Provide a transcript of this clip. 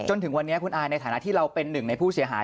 จนถึงวันนี้คุณอายในฐานะที่เราเป็นหนึ่งในผู้เสียหาย